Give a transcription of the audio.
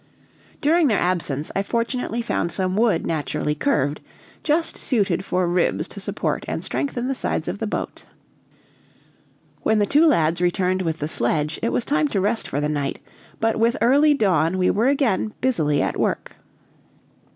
During their absence I fortunately found some wood naturally curved, just suited for ribs to support and strengthen the sides of the boat. When the two lads returned with the sledge, it was time to rest for the night; but with early dawn we were again busily at work.